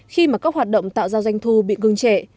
khi mà các hoạt động tạo giao danh thu bị gương trệ